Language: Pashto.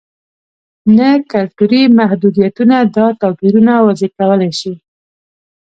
نه کلتوري محدودیتونه دا توپیرونه واضح کولای شي.